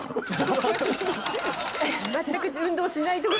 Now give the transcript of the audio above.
全く運動しないところに。